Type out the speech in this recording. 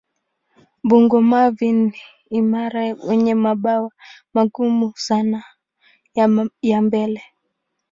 Bungo-mavi ni imara wenye mabawa magumu sana ya mbele.